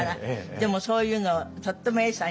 でもそういうのをとっても永さん